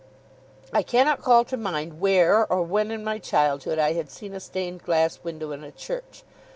I cannot call to mind where or when, in my childhood, I had seen a stained glass window in a church.